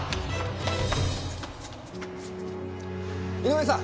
井上さん！